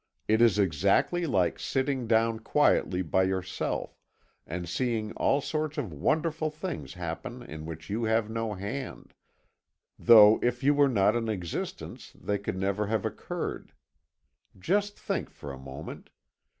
It is exactly like sitting down quietly by yourself, and seeing all sorts of wonderful things happen in which you have no hand, though if you were not in existence they could never have occurred. Just think for a moment.